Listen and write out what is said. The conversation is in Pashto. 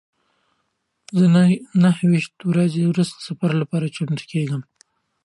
زه نهه ویشت ورځې وروسته د سفر لپاره چمتو کیږم.